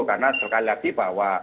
karena sekali lagi bahwa